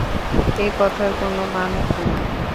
একথার কোনো মানে হয় না।